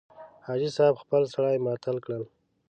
حاجي صاحب خپل سړي معطل کړل.